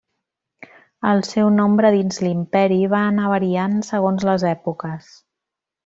El seu nombre dins l'imperi va anar variant segons les èpoques.